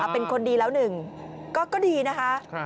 เป็นคนดีแล้วหนึ่งก็ดีนะคะ